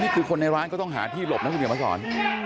นี่คือคนในร้านก็ต้องหาที่หลบนักศูนย์กันมาสอน